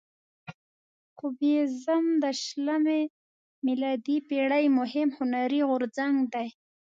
کوبیزم د شلمې میلادي پیړۍ مهم هنري غورځنګ دی.